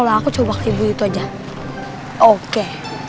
siap membantu mister serge